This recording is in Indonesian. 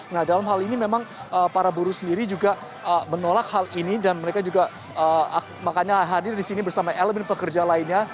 nah dalam hal ini memang para buruh sendiri juga menolak hal ini dan mereka juga makanya hadir di sini bersama elemen pekerja lainnya